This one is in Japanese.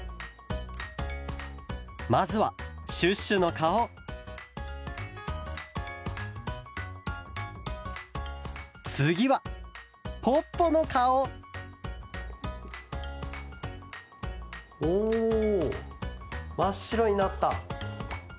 まずはシュッシュのかおつぎはポッポのかおおまっしろになった。